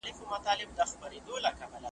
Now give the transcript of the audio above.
خپل شعرونه چاپ کړل .